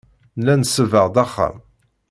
Nella nsebbeɣ-d axxam.